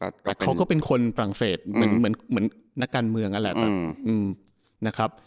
แต่เขาก็เป็นคนฝรั่งเศสเหมือนนักการเมืองอะแหละ